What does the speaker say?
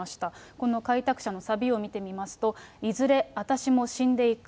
この開拓者のサビを見てみますと、いずれあたしも死んでいく。